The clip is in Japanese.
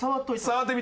触ってみて。